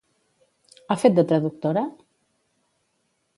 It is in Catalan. Ha fet de traductora?